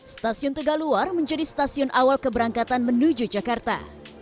stasiun tegaluar menjadi stasiun awal keberangkatan menuju jakarta